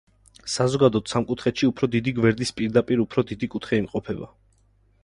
საზოგადოდ, სამკუთხედში უფრო დიდი გვერდის პირდაპირ უფრო დიდი კუთხე იმყოფება.